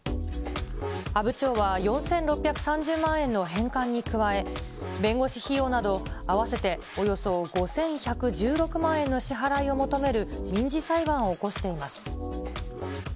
阿武町は、４６３０万円の返還に加え、弁護士費用など合わせておよそ５１１６万円の支払いを求める民事裁判を起こしています。